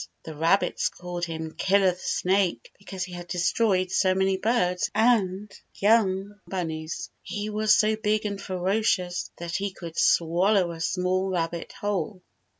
The rabbits called him Killer the Snake because he had destroyed so many birds and young bunnies. He was so big and ferocious that he could swal low a small rabbit whole.